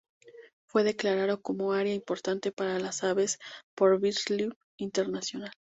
Fue declarado como área importante para las aves por BirdLife International.